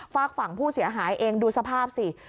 ฝากฝั่งผู้เสียหายเองดูสภาพสิ